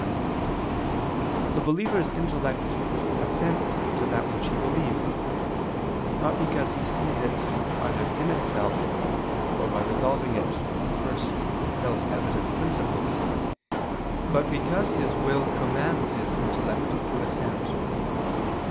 1), the believer's intellect assents to that which he believes, not because he sees it either in itself, or by resolving it to first self evident principles, but because his will commands his intellect to assent.